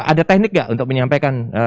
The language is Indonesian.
ada teknik nggak untuk menyampaikan